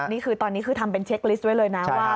นี่คือตอนนี้คือทำเป็นเช็คลิสต์ไว้เลยนะว่า